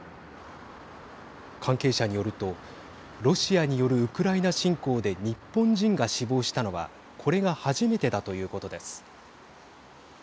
関係者によるとロシアによるウクライナ侵攻で日本人が死亡したのはこれが初めてだということです。